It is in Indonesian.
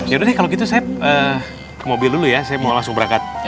yaudah deh kalau gitu saya ke mobil dulu ya saya mau langsung berangkat